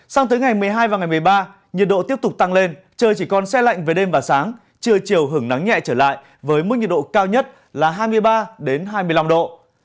sang tới ngày một mươi hai và ngày một mươi ba nhiệt độ tiếp tục tăng lên trời chỉ còn xe lạnh về đêm và sáng trưa chiều hưởng nắng nhẹ trở lại với mức nhiệt độ cao nhất là hai mươi ba hai mươi năm độ